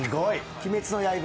『鬼滅の刃』